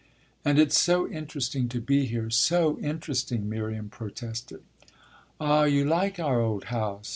"And it's so interesting to be here so interesting!" Miriam protested. "Ah you like our old house?